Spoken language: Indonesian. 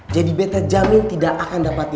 jadi beta jamin tidak akan dapat nilai